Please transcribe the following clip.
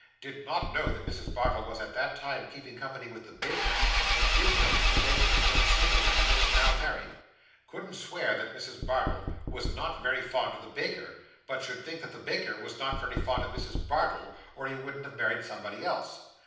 Did not know that Mrs. Bardell was at that time keeping company with the baker, but did know that the baker was then a single man and is now married. Couldn't swear that Mrs. Bardell was not very fond of the baker, but should think that the baker was not very fond of Mrs. Bardell, or he wouldn't have married somebody else.